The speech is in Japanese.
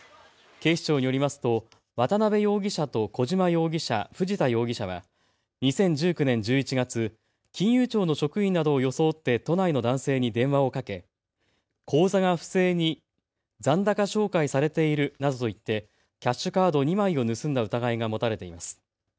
警視庁によりますと渡邉容疑者と小島容疑者、藤田容疑者は２０１９年１１月、金融庁の職員などを装って都内の男性に電話をかけ口座が不正に残高照会されているなどと言ってキャッシュカード２枚を盗んだ疑いが持たれています。